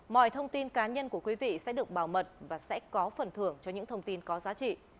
mọi thông tin cá nhân của quý vị sẽ được bảo mật và sẽ có phần thưởng cho những thông tin có giá trị